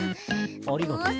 ありがとう。